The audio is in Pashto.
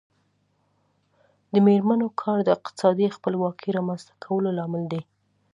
د میرمنو کار د اقتصادي خپلواکۍ رامنځته کولو لامل دی.